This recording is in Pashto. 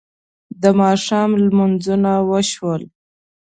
د ماښام لمونځونه وشول.